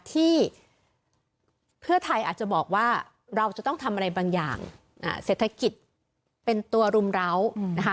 ที่เพื่อไทยอาจจะบอกว่าเราจะต้องทำอะไรบางอย่างเศรษฐกิจเป็นตัวรุมร้าวนะคะ